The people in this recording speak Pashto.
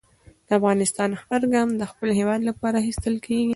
د افغان هر ګام د خپل هېواد لپاره اخیستل کېږي.